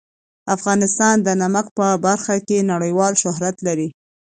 افغانستان د نمک په برخه کې نړیوال شهرت لري.